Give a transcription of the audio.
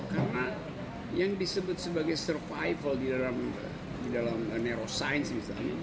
karena yang disebut sebagai survival di dalam neuroscience misalnya